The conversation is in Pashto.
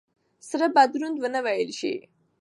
سره به دروند نه وېل شي.